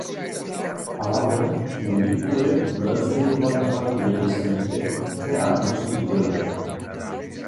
Halaber, medikuek udaltzaingo bat artatu behar izan dute, kea arnastu duelako.